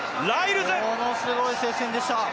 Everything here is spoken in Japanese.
ものすごい接戦でした。